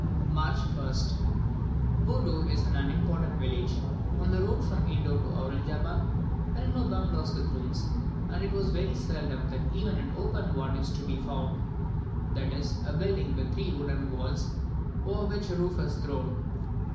March 1st. Bodur is an unimportant village. Upon the road from Indor to Auranjabad, there are no bungalows with rooms, and it is very seldom that even an open one is to be found that is, a building with three wooden walls, over which a roof is thrown.